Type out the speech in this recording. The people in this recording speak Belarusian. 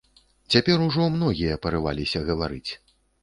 Цяпер ужо многія парываліся гаварыць.